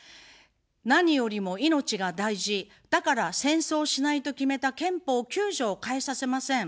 何よりも命が大事、だから戦争しないと決めた憲法９条を変えさせません。